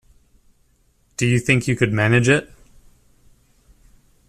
Do you think you could manage it?